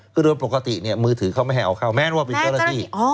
คือโดยปกติเนี่ยมือถือเขาไม่ให้เอาเข้าแม้ว่าเป็นเจ้าหน้าที่